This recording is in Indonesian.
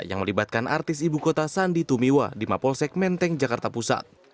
yang melibatkan artis ibu kota sandi tumiwa di mapolsek menteng jakarta pusat